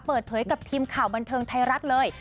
เปิดเผยกับทีมข่าวบันเทิงไทยรัฐเลย